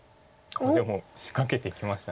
あっでも仕掛けていきました。